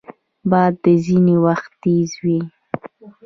باد ځینې وخت تیز وي